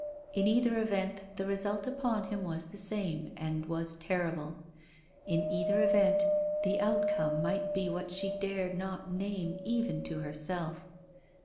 In either event, the result upon him was the same and was terrible. In either event, the outcome might be what she dared not name even to herself.